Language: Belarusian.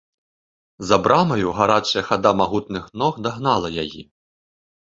За брамаю гарачая хада магутных ног дагнала яе.